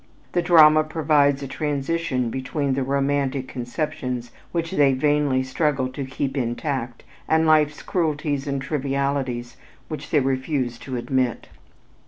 The drama provides a transition between the romantic conceptions which they vainly struggle to keep intact and life's cruelties and trivialities which they refuse to admit.